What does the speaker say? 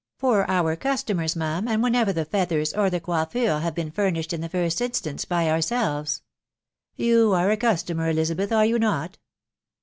" For our customers, ma'am, and whenever the. feathers or the coiffure hare been furnished in the first instance* by ourselves." " You are a customer, Elizabeth, axe you not